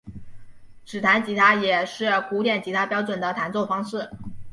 指弹吉他也是古典吉他标准的弹奏方式。